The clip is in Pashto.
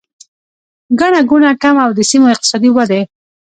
ګڼه ګوڼه کمه او د سیمو اقتصادي ودې